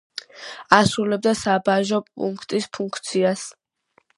ასრულებდა საბაჟო პუნქტის ფუნქციასაც.